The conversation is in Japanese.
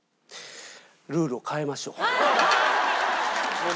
ルールを変えましょう。